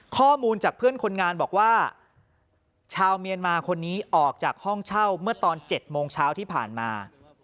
ข้อมูลจากเพื่อนคนงานบอกว่าชาวเมียนมาคนนี้ออกจากห้องเช่าเมื่อตอน๗โมงเช้าที่ผ่านมา